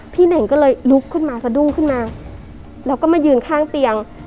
เน่งก็เลยลุกขึ้นมาสะดุ้งขึ้นมาแล้วก็มายืนข้างเตียง